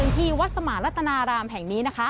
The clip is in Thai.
จนทีวัฒสมรรถนารามแห่งนี้นะคะ